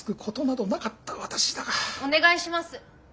お願いします。